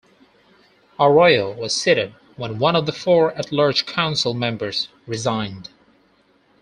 Arroyo was seated when one of the four at-large council members resigned.